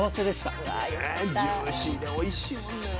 ねジューシーでおいしいもんね。